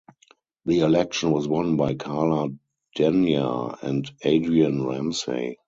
The election was won by Carla Denyer and Adrian Ramsay.